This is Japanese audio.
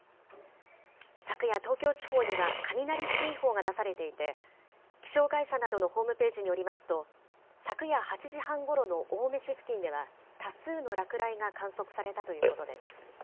昨夜、東京地方には雷注意報が出されていて、気象会社などのホームページによりますと、昨夜８時半ごろの青梅市付近では、多数の落雷が観測されたということです。